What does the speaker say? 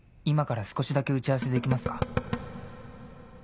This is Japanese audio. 今から少しだけ打ち合わせできますか？」。